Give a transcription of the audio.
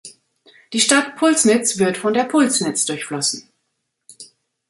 Die Stadt Pulsnitz wird von der Pulsnitz durchflossen.